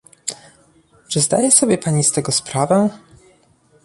Czy zdaje sobie Pani z tego sprawę?